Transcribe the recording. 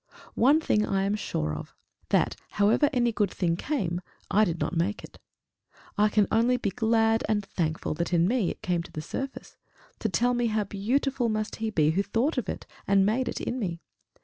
One thing I am sure of that, however any good thing came, I did not make it; I can only be glad and thankful that in me it came to the surface, to tell me how beautiful must he be who thought of it, and made it in me.